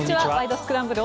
スクランブル」